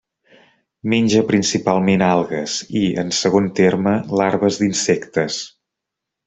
Menja principalment algues, i, en segon terme, larves d'insectes.